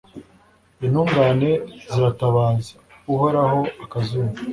intungane ziratabaza, uhoraho akazumva